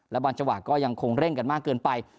และบรรจวากก็ยังคงเร่งกันมากเกินไป